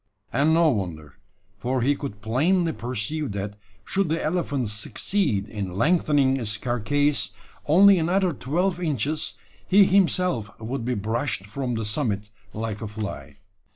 And no wonder: for he could plainly perceive that should the elephant succeed in lengthening its carcase only another twelve inches, he himself would be brushed from the summit like a fly.